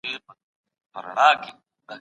د سرچینو ناسم مدیریت د اقتصاد کمزورتیا لامل کېږي.